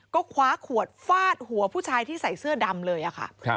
ก็คว้าขวดฟาดหัวผู้ชายที่ใส่เสื้อดำเลยค่ะ